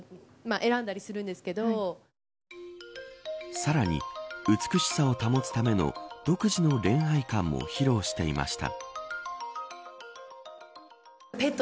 さらに美しさを保つための独自の恋愛観も披露していました。